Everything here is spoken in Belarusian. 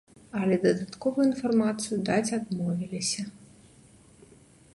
Але дадатковую інфармацыю даць адмовіліся.